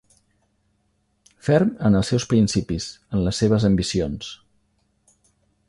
Ferm en els seus principis, en les seves ambicions.